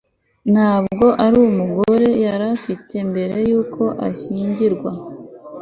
Ntabwo ari umugore yari afite mbere yuko ashyingirwa